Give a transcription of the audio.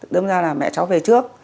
đương ra là mẹ cháu về trước